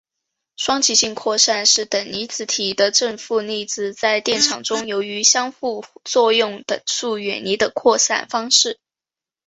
双极性扩散是等离子体的正负粒子在电场中由于相互作用等速远离的扩散方式。